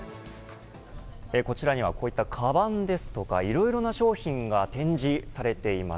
こちらにはこういったかばんですとかいろいろな商品が展示されています。